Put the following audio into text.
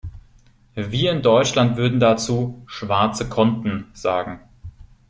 Wir in Deutschland würden dazu "schwarze Konten" sagen.